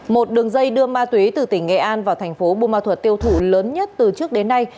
một đường dây đưa ma túy từ tỉnh nghệ an vào thành phố bù ma thuật tiêu thụ lớn nhất từ trước đến nay